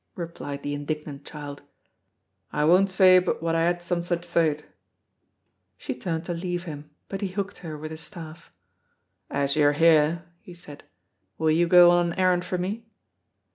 replied the indignant child. "I won't say but what I had some such thait." She turned to leave him, but he hooked her with his staff. "As you're here," he said, "will you go an errand for me?"